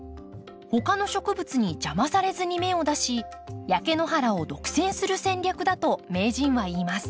他の植物に邪魔されずに芽を出し焼け野原を独占する戦略だと名人はいいます。